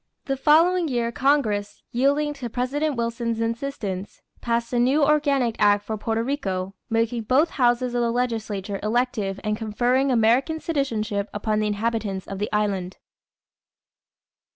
The following year Congress, yielding to President Wilson's insistence, passed a new organic act for Porto Rico, making both houses of the legislature elective and conferring American citizenship upon the inhabitants of the island.